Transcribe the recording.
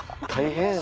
大変！